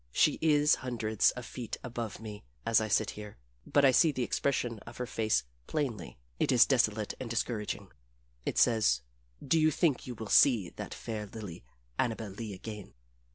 She is hundreds of feet above me as I sit here, but I see the expression of her face plainly it is desolate and discouraging. It says, Do you think you will see that fair lily Annabel Lee again?